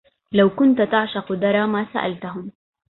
لو كنت تعشق درا ما سألتهم